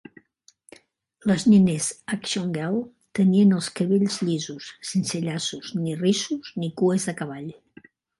Les nines Action Girl tenien els cabells llisos sense llaços, ni rissos ni cues de cavall.